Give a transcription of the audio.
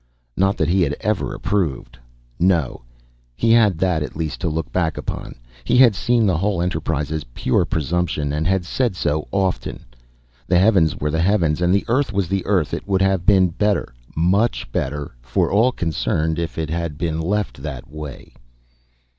Not that he had ever approved. No. He had that, at least, to look back upon; he had seen the whole enterprise as pure presumption, and had said so. Often. The heavens were the heavens, and Earth was Earth. It would have been better much better for all concerned if it had been left that way.